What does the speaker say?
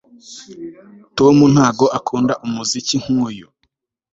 Tom ntabwo akunda umuziki nkuyu